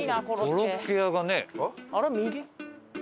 コロッケ屋がね。